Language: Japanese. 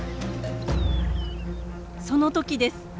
その時です。